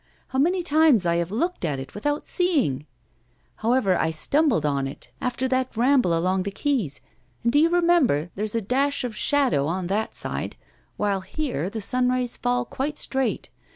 How many times I have looked at it without seeing! However, I stumbled on it after that ramble along the quays! And, do you remember, there's a dash of shadow on that side; while here the sunrays fall quite straight.